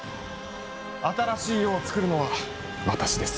新しい世をつくるのは私です。